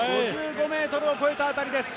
５５ｍを越えた辺りです。